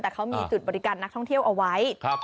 แต่เขามีจุดบริการนักท่องเที่ยวเอาไว้